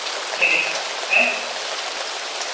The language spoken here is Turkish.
Evet, ben de.